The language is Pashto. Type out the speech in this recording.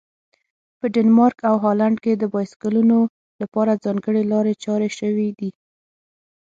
په ډنمارک او هالند کې د بایسکلونو لپاره ځانګړي لارې چارې شوي دي.